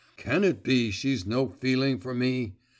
Can it be she's no feeling for me!